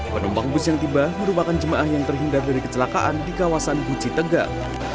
penumpang bus yang tiba merupakan jemaah yang terhindar dari kecelakaan di kawasan guci tegal